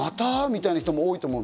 みたいな人も多いと思う。